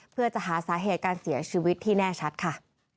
เพื่อจะหาสาเหตุการเสียชีวิตที่แน่ชัดค่ะ